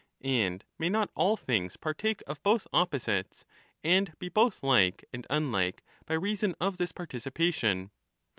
And may not all things partake of both opposites, and be both like and unlike, by reason of this participation